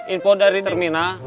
info dari terminal